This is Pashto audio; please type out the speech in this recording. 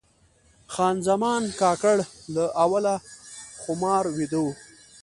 خان زمان کاکړ له اوله خمار ویده و.